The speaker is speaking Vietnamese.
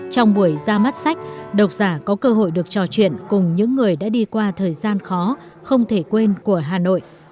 trong buổi ra mắt sách độc giả có cơ hội được trò chuyện cùng những người đã đi qua thời gian khó không thể quên của hà nội